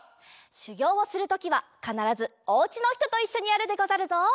しゅぎょうをするときはかならずおうちのひとといっしょにやるでござるぞ。